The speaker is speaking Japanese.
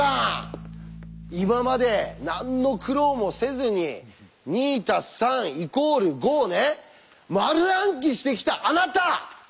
今まで何の苦労もせずに「２＋３＝５」をね丸暗記してきたあなた！